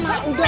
mak udah mak